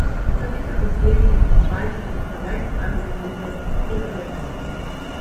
Der Verzicht auf das Leben ist des Weiteren im Vergleich zu anderen Grundrechten irreversibel.